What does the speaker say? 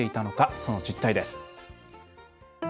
その実態です。